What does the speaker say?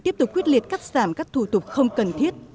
tiếp tục quyết liệt cắt giảm các thủ tục không cần thiết